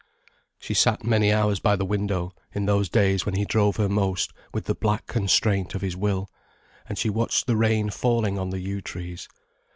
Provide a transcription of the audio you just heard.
She sat many hours by the window, in those days when he drove her most with the black constraint of his will, and she watched the rain falling on the yew trees.